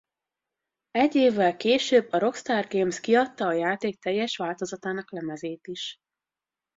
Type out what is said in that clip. Egy évvel később a Rockstar Games kiadta a játék teljes változatának lemezét is.